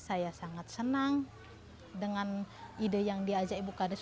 saya sangat senang dengan ide yang diajak ibu kades